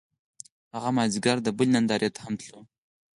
هغه مازیګر د بلۍ نندارې ته هم تللو